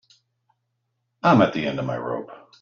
I'm at the end of my rope.